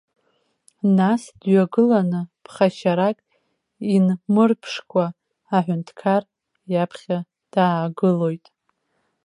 Нас дҩагаыланы, ԥхашьарак инмырԥшкәа, аҳәынҭқар иаԥхьа даагылоит.